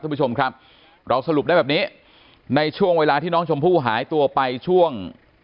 คุณผู้ชมครับเราสรุปได้แบบนี้ในช่วงเวลาที่น้องชมพู่หายตัวไปช่วง